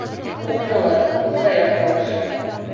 Кухняла, - был Саяф тауышы.